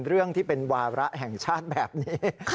เรื่องที่เป็นวาระแห่งชาติแบบนี้